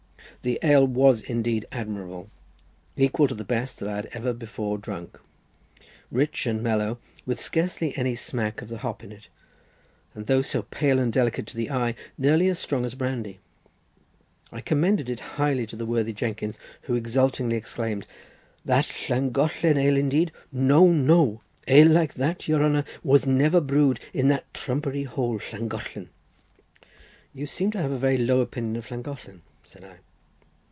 The ale was indeed admirable, equal to the best that I had ever before drunk—rich and mellow, with scarcely any smack of the hop in it, and though so pale and delicate to the eye, nearly as strong as brandy. I commended it highly to the worthy Jenkins, who exultingly exclaimed— "That Llangollen ale indeed! no, no! ale like that, your honour, was never brewed in that trumpery hole Llangollen." "You seem to have a very low opinion of Llangollen?" said I.